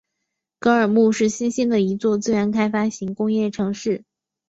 格尔木是新兴的一座资源开发型的工业城市。